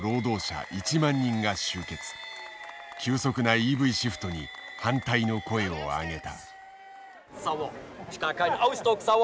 急速なＥＶシフトに反対の声を上げた。